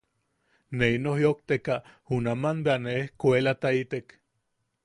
Ne ino jiʼojteka junaman bea ne ejkuelataitek.